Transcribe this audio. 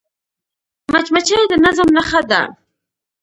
مچمچۍ د نظم نښه ده